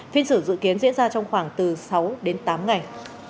phiên xử dự kiến diễn ra trong khoảng từ sáu đến tám ngày